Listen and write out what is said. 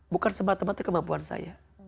bukan semata mata kemampuan saya